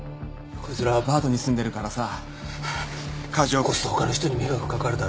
こいつらアパートに住んでるからさ火事起こすと他の人に迷惑かかるだろ。